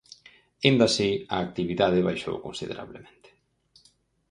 Aínda así, a actividade baixou considerablemente.